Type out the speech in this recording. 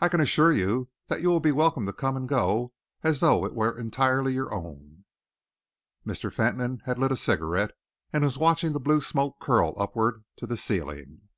I can assure you that you will be welcome to come and go as though it were entirely your own." Mr. Fentolin had lit a cigarette and was watching the blue smoke curl upwards to the ceiling.